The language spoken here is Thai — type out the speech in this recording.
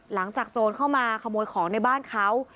หลังจากโจรเข้ามาขโมยของในบ้านเขา